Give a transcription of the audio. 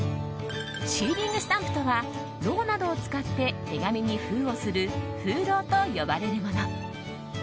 シーリングスタンプとはろうなどを使って手紙に封をする封ろうと呼ばれるもの。